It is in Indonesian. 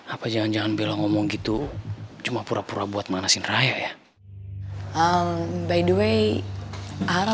apa jangan jangan bilang ngomong gitu cuma pura pura buat manasin raya ya by the way arah